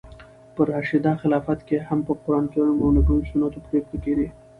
په راشده خلافت کښي هم پر قرانکریم او نبوي سنتو پرېکړي کېدې.